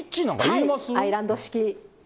アイランド式。